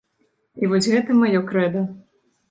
І вось гэта маё крэда.